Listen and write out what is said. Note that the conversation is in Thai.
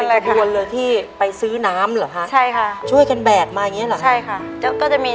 ในแคมเปญพิเศษเกมต่อชีวิตโรงเรียนของหนู